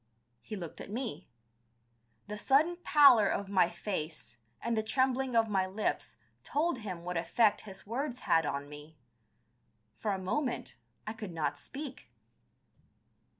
He looked at me. The sudden pallor of my face and the trembling of my lips told him what effect his words had on me. For a moment I could not speak.